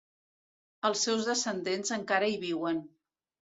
Els seus descendents encara hi viuen.